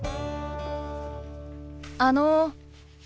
あの。